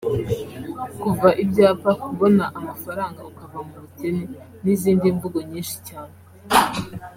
kuva ibyapa(kubona amafaranga ukava mu bukene) n’izindi mvugo nyinshi cyane